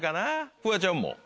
フワちゃんも？